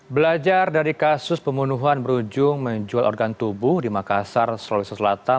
belajar dari kasus pembunuhan berujung menjual organ tubuh di makassar sulawesi selatan